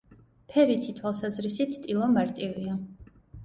ფერითი თვალსაზრისით ტილო მარტივია.